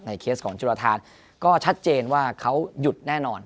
เคสของจุรทานก็ชัดเจนว่าเขาหยุดแน่นอน